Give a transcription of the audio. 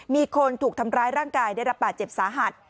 มีคนถูกทำร้ายร่างกายได้รับบาดเจ็บสาหัส